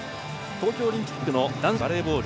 東京オリンピックの男子バレーボール